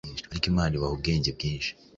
Ariko Imana Ibahubwenge bwinshi